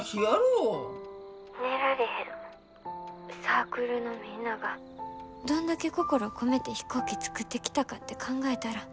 サークルのみんながどんだけ心込めて飛行機作ってきたかって考えたら。